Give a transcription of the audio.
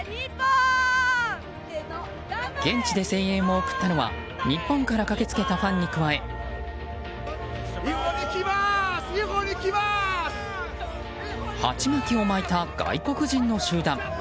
現地で声援を送ったのは日本から駆けつけた鉢巻を巻いた外国人の集団。